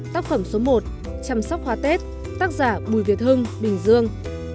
tác phẩm số một chăm sóc hoa tết tác giả bùi việt hưng bình dương